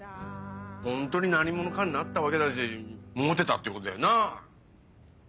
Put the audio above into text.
ホントに何者かになったわけだしモテたってことだよな。